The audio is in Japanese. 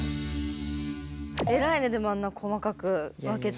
偉いねでもあんな細かく分けて。